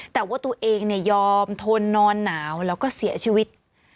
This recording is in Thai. แต่ว่าตัวเองยอมทนนอนหนาวแล้วก็เสียชีวิต